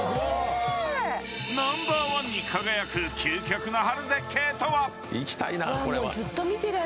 ナンバーワンに輝く究極の春絶景とは。